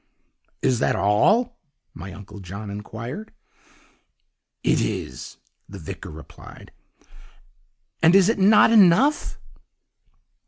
"'Is that all?' my Uncle John inquired. "'It is,' the vicar replied, 'and is it not enough?